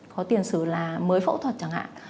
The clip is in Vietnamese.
có tiền sử là mới phẫu thuật chẳng hạn